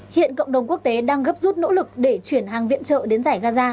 hiện cộng đồng quốc tế đang gấp rút nỗ lực để chuyển hàng viện trợ đến giải gaza